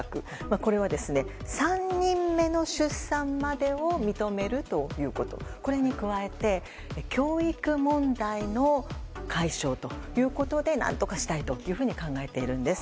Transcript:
これは３人目の出産までを認めるということこれに加えて教育問題の解消ということで何とかしたいと考えているんです。